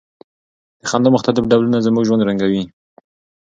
د خندا مختلف ډولونه زموږ ژوند رنګینوي.